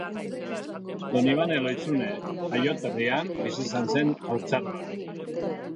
Donibane Lohizune jaioterrian bizi izan zen haurtzaroan.